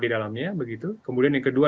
di dalamnya begitu kemudian yang kedua